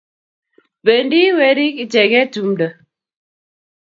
Bendi werik ichegei tumdo